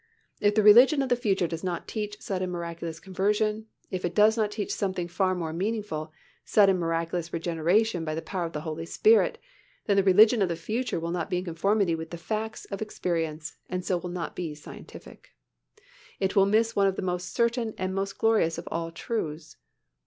If the religion of the future does not teach sudden miraculous conversion, if it does not teach something far more meaningful, sudden, miraculous regeneration by the power of the Holy Spirit, then the religion of the future will not be in conformity with the facts of experience and so will not be scientific. It will miss one of the most certain and most glorious of all truths.